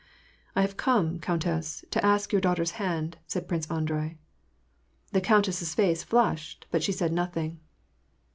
,'^ I have come, countess, to ask your daughter's hand," said Prince Andrei. The countess's face flushed, but she said nothing.